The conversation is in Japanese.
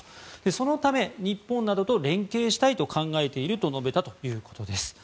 そのため日本などと連携したいと考えていると述べたということです。